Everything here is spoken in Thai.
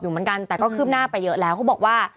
เหมือนกันแต่ก็คืบหน้าไปเยอะแล้วเขาบอกว่า